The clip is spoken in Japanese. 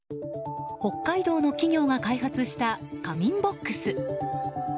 北海道の企業が開発した仮眠ボックス。